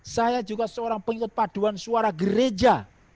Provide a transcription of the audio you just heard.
saya juga seorang pengikut paduan suara gereja